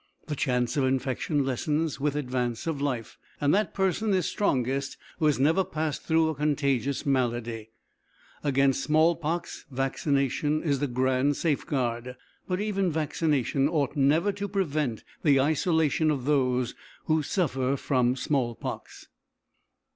The chance of infection lessens with advance of life, and that person is strongest who has never passed through a contagious malady. Against small pox vaccination is the grand safeguard, but even vaccination ought never to prevent the isolation of those who suffer from small pox.